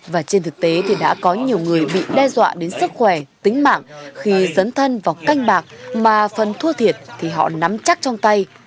và trên thực tế thì đã có nhiều người bị đe dọa đến sức khỏe tính mạng khi dấn thân vào canh bạc mà phần thua thiệt thì họ nắm chắc trong tay